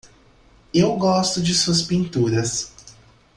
Eu gosto de suas pinturas.